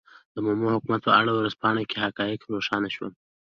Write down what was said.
د مومو حکومت په اړه په ورځپاڼه کې حقایق روښانه شول.